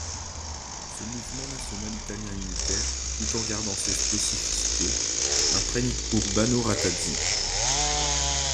Ce mouvement national italien unitaire, tout en gardant ses spécificités, imprègne Urbano Ratazzi.